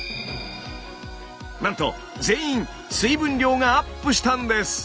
なんと全員水分量がアップしたんです！